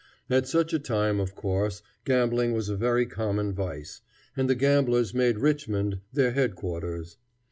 At such a time, of course, gambling was a very common vice, and the gamblers made Richmond their head quarters.